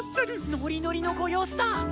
ノリノリのご様子だ！